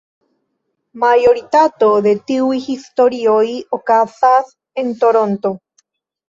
Majoritato de tiuj historioj okazas en Toronto.